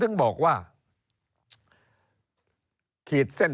เริ่มตั้งแต่หาเสียงสมัครลง